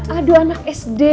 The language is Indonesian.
aduh anak sd